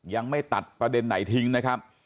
ยังไม่ตัดประเด็นไหนทิ้งนะครับ